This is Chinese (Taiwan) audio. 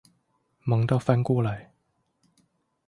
忙到翻過來